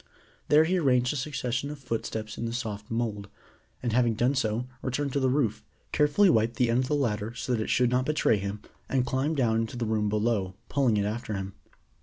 There he arranged a succession of footsteps in the soft mould, and having done so, returned to the roof, carefully wiped the end of the ladder, so that it should not betray him, and climbed down into the room below, pulling it after him.